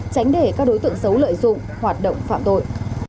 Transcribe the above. tránh để các đối tượng xấu lợi dụng hoạt động phạm tội